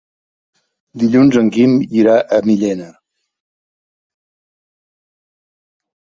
Dilluns en Quim irà a Millena.